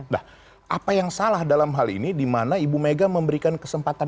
nah apa yang salah dalam hal ini di mana ibu mega memberikan kesempatan